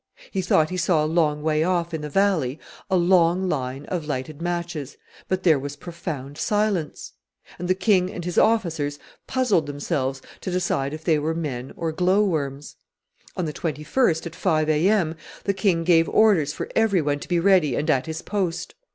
He thought he saw a long way off in the valley a long line of lighted matches; but there was profound silence; and the king and his officers puzzled themselves to decide if they were men or glow worms. On the 21st, at five A. M., the king gave orders for every one to be ready and at his post.